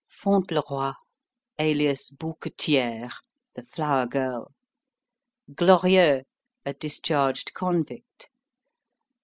Fauntleroy, alias Bouquetière (the Flower Girl). Glorieux, a discharged convict.